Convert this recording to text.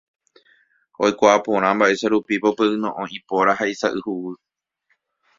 Oikuaa porã mba'eicharupípa upe yno'õ ipóra ha isa'y huguy.